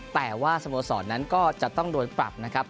แต่ว่าสโมสรนั้นก็จะต้องโดนปรับนะครับ